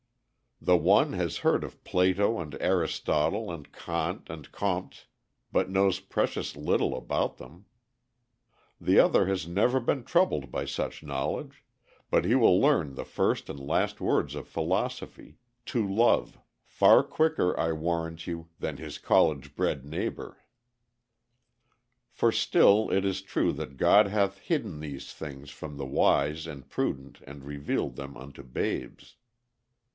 The one has heard of Plato and Aristotle and Kant and Comte, but knows precious little about them; The other has never been troubled by such knowledge, but he will learn the first and last word of philosophy, "to love," far quicker, I warrant you, than his college bred neighbor. For still it is true that God hath hidden these things from the wise and prudent and revealed them unto babes.